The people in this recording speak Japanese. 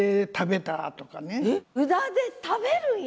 えっうだで食べるんや？